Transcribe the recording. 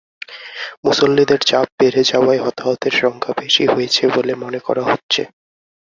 মুসল্লিদের চাপ বেড়ে যাওয়ায় হতাহতের সংখ্যা বেশি হয়েছে বলে মনে করা হচ্ছে।